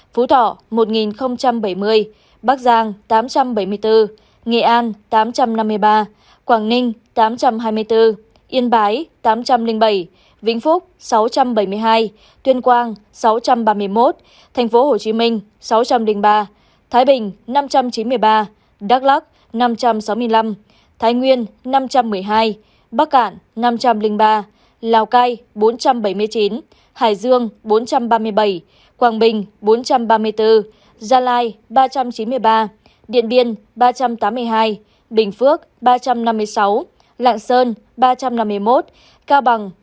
vĩnh phúc sáu trăm bảy mươi hai tuyên quang sáu trăm ba mươi một tp hcm sáu trăm linh ba thái bình năm trăm chín mươi ba đắk lắc năm trăm sáu mươi năm thái nguyên năm trăm một mươi hai bắc cạn năm trăm linh ba lào cai bốn trăm bảy mươi chín hải dương bốn trăm ba mươi bảy quảng bình bốn trăm ba mươi bốn gia lai ba trăm chín mươi ba điện biên ba trăm tám mươi hai bình phước ba trăm năm mươi sáu lạng sơn ba trăm năm mươi một cao bằng ba trăm chín mươi hai